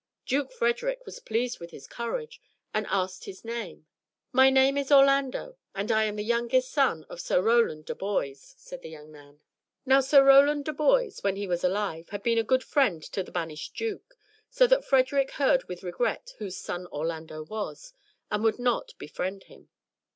Duke Frederick was pleased with his courage, and asked his name. "My name is Orlando, and I am the youngest son of Sir Rowland de Boys," said the young man. Now Sir Rowland de Boys, when he was alive, had been a good friend to the banished duke, so that Frederick heard with regret whose son Orlando was, and would not befriend him.